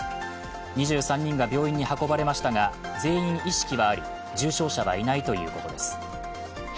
２３人が病院に運ばれましたが、全員意識はあり、重症者はいないということです。